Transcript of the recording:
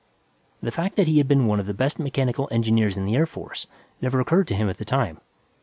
The fact that he had been one of the best mechanical engineers in the Air Force never occurred to him at the time.